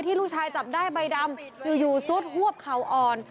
ลูกชายจับได้ใบดำอยู่ซุดหวบเข่าอ่อน